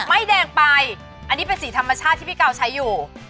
แดงไปอันนี้เป็นสีธรรมชาติที่พี่กาวใช้อยู่